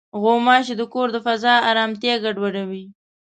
غوماشې د کور د فضا ارامتیا ګډوډوي.